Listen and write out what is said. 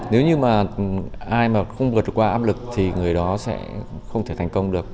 nếu như ai không vượt qua áp lực thì người đó sẽ không thể thành công được